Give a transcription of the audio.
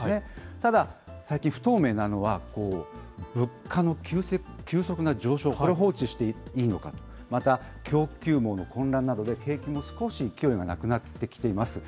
ただ、先、不透明なのは、物価の急速な上昇、これを放置していいのか、また供給網の混乱などで、景気も少し勢いがなくなってきています。